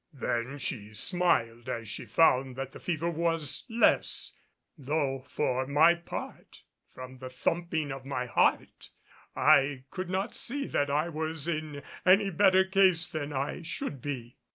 Then she smiled as she found that the fever was less, though for my part, from the thumping of my heart, I could not see that I was in any better case than I should be.